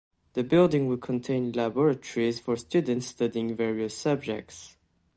The building will contain laboratories for students studying various subjects.